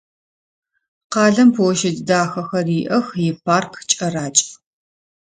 Къалэм площадь дахэхэр иӏэх, ипарк кӏэракӏ.